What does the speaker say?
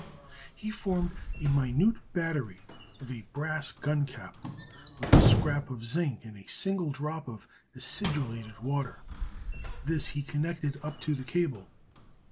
He formed a minute battery of a brass gun cap, with a scrap of zinc and a single drop of acidulated water. This he connected up to the cable.